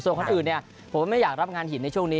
ส่วนคนอื่นเนี่ยผมไม่อยากรับงานหินในช่วงนี้